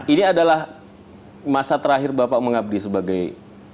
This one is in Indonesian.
ini adalah masa terakhir bapak mengabdi sebagai